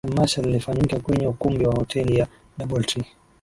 Tmasha lilifanyika kwenye ukumbi wa Hoteli ya Double Tree